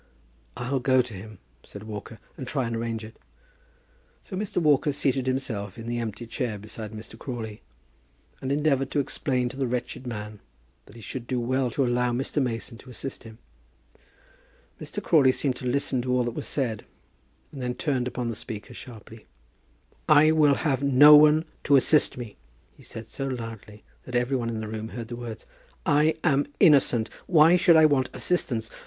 "I'll go to him," said Walker, "and try to arrange it." So Mr. Walker seated himself in the empty chair beside Mr. Crawley, and endeavoured to explain to the wretched man, that he would do well to allow Mr. Mason to assist him. Mr. Crawley seemed to listen to all that was said, and then turned upon the speaker sharply: "I will have no one to assist me," he said so loudly that every one in the room heard the words. "I am innocent. Why should I want assistance?